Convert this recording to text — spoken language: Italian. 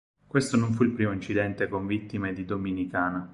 Questo non fu il primo incidente con vittime di Dominicana.